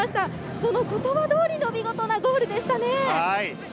その言葉通りの見事なゴールでしたね。